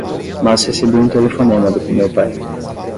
Mas recebi um telefonema do meu pai.